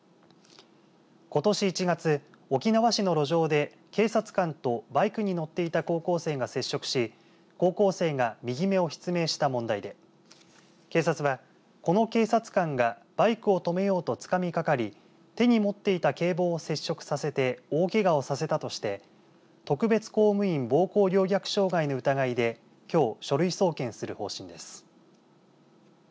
ことし１月、沖縄市の路上で警察官とバイクに乗っていた高校生が接触し高校生が右目を失明した問題で警察は、この警察官がバイクを止めようとつかみかかり手に持っていた警棒を接触させて大けがをさせたとして特別公務員暴行陵虐傷害の疑いできょう書類送検する方針です。